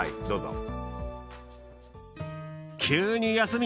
どうぞ。